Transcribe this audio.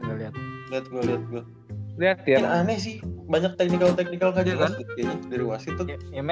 ini aneh sih banyak technical technical kayaknya